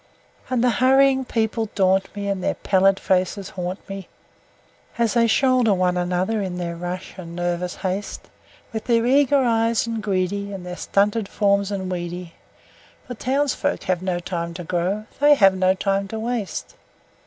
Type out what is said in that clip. And the hurrying people daunt me, and their pallid faces haunt me As they shoulder one another in their rush and nervous haste, With their eager eyes and greedy, and their stunted forms and weedy, For townsfolk have no time to grow, they have no time to waste.